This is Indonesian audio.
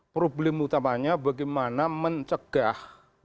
problem utamanya bagaimana mencegah